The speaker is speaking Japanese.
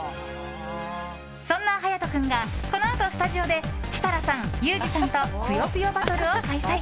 そんな勇人君がこのあとスタジオで設楽さん、ユージさんと「ぷよぷよ」バトルを開催。